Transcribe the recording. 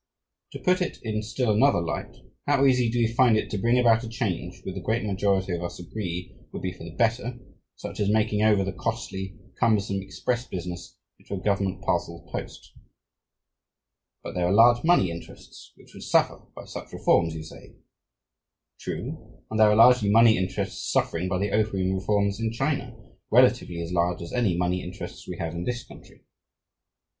To put it in still another light, how easy do we find it to bring about a change which the great majority of us agree would be for the better, such as making over the costly, cumbersome express business into a government parcels post? But there are large money interests which would suffer by such reforms, you say? True; and there are large money interests suffering by the opium reforms in China, relatively as large as any money interests we have in this country.